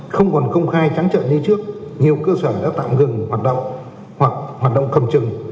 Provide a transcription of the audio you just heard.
không còn công khai trắng trợn như trước nhiều cơ sở đã tạm ngừng hoạt động hoặc hoạt động cầm chừng